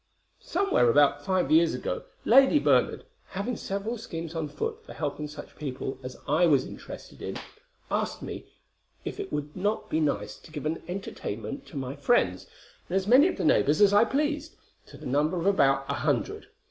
"Somewhere about five years ago, Lady Bernard, having several schemes on foot for helping such people as I was interested in, asked me if it would not be nice to give an entertainment to my friends, and as many of the neighbors as I pleased, to the number of about a hundred.